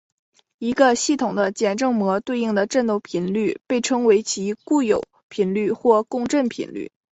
一个系统的简正模对应的振动频率被称为其固有频率或共振频率。